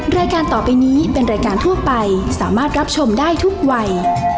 รายการต่อไปนี้เป็นรายการทั่วไปสามารถรับชมได้ทุกวัย